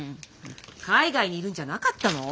海外にいるんじゃなかったの？